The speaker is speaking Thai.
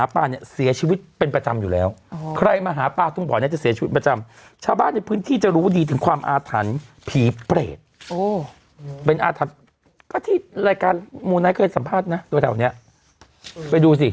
เป็นอาถรรพ์ก็ที่รายการมูลนายเคยสัมภาษณ์นะตัวแถวเนี้ยไปดูสิ